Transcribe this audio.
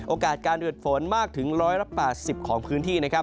โอกาสการเดินเผินมากถึง๑๘๐บริเวณของพื้นที่